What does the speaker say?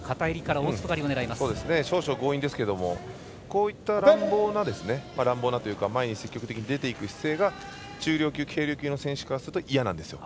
少々強引ですけどこういった乱暴なというか前に積極的に出ていく姿勢が中量級、軽量級の選手からすると嫌なんです。